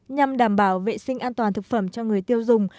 nhằm đảm bảo vệ sinh an toàn thực phẩm cho người tiêu dùng